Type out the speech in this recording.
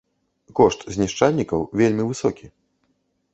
Кошт знішчальнікаў вельмі высокі.